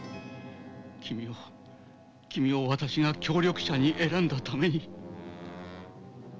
君を君を私が協力者に選んだために。